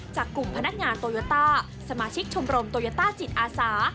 จากกลุ่มพนักงานโตโยต้าสมาชิกชมรมโตโยต้าจิตอาสา